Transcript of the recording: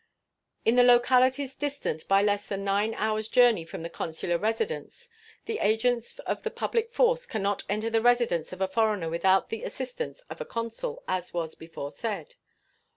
In the localities distant by less than nine hours' journey from the consular residence, the agents of the public force can not enter the residence of a foreigner without the assistance of a consul, as was before said.